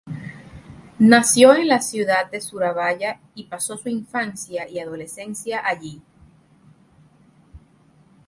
Nació en la Ciudad de Surabaya y pasó su infancia y adolescencia allí.